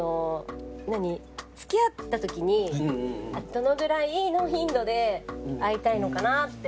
付き合った時にどのぐらいの頻度で会いたいのかなって。